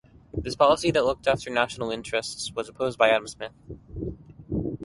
This policy that looked after national interests was opposed by Adam Smith.